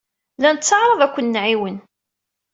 La netteɛṛaḍ ad ken-nɛiwen.